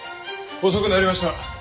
遅くなりました。